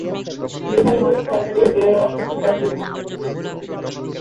যেখানে তিনি সরকারি অফিসে চাকরি পান।